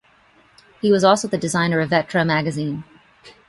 He was also the designer of Vetro Magazine.